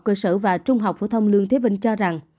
cơ sở và trung học phổ thông lương thế vinh cho rằng